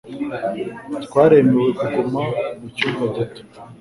Twaremewe kuguma mu cyumba gito.